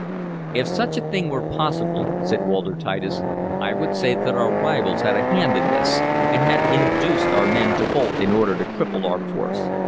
"If such a thing were possible," said Walter Titus, "I would say that our rivals had a hand in this, and had induced our men to bolt in order to cripple our force.